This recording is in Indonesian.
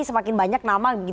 semakin banyak nama